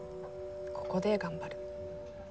ここで頑張る。